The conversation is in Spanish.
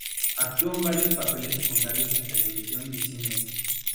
Actuó en varios papeles secundarios en televisión y cine.